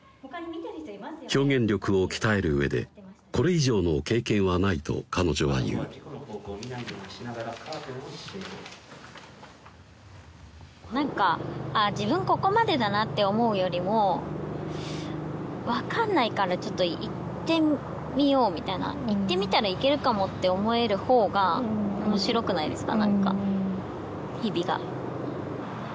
表現力を鍛える上でこれ以上の経験はないと彼女は言う何か自分ここまでだなって思うよりも分かんないからちょっと行ってみようみたいな行ってみたら行けるかもって思えるほうが面白くないですか？